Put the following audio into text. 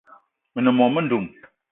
Me ne mô-mendum